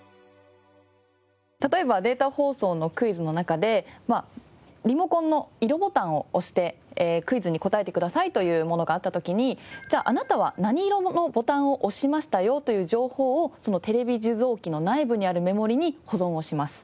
例えばデータ放送のクイズの中でリモコンの色ボタンを押してクイズに答えてくださいというものがあった時にあなたは何色のボタンを押しましたよという情報をテレビ受像機の内部にあるメモリーに保存をします。